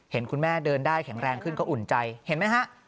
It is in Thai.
เห็นคุณแม่เดินได้แข็งแรงขึ้นก็อุ่นใจเห็นไหมฮะ